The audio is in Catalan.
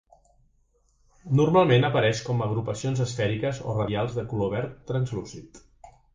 Normalment apareix com agrupacions esfèriques o radials de color verd translúcid.